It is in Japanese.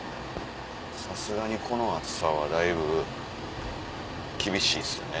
さすがにこの暑さはだいぶ厳しいですよね。